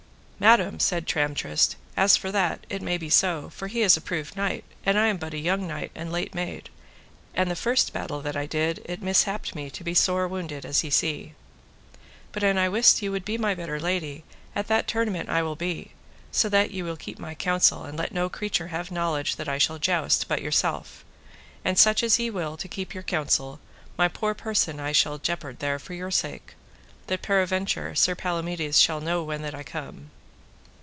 Madam, said Tramtrist, as for that, it may be so, for he is a proved knight, and I am but a young knight and late made; and the first battle that I did it mishapped me to be sore wounded as ye see. But an I wist ye would be my better lady, at that tournament I will be, so that ye will keep my counsel and let no creature have knowledge that I shall joust but yourself, and such as ye will to keep your counsel, my poor person shall I jeopard there for your sake, that, peradventure, Sir Palamides shall know when that I come.